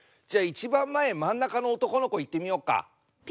じゃあ一番前真ん中の男の子いってみようか。